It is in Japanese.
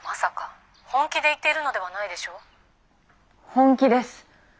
本気です。